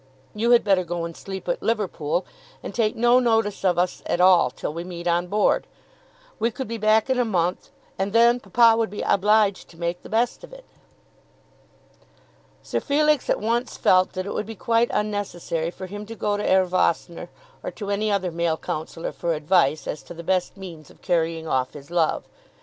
You had better go and sleep at Liverpool, and take no notice of us at all till we meet on board. We could be back in a month, and then papa would be obliged to make the best of it." Sir Felix at once felt that it would be quite unnecessary for him to go to Herr Vossner or to any other male counsellor for advice as to the best means of carrying off his love.